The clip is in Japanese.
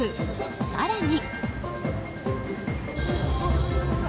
更に。